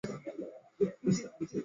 大水苎麻